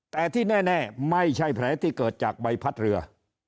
แต่ที่แน่ไม่ใช่แผลที่เกิดจากใบพัดเรือ